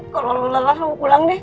kalau lelah mau pulang deh